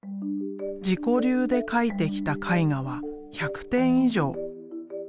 自己流で描いてきた絵画は１００点以上。